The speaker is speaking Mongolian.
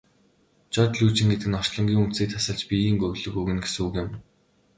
Жод лүйжин гэдэг нь орчлонгийн үндсийг тасалж биеийн өглөг өгнө гэсэн үг юм.